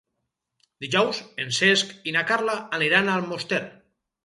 Dijous en Cesc i na Carla aniran a Almoster.